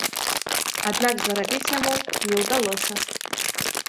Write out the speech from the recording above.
Аднак зарабіць яму не ўдалося.